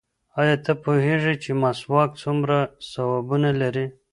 ایا ته پوهېږې چې مسواک څومره ثوابونه لري؟